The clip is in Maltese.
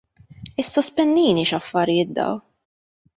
Issospendini, x'affarijiet dawn!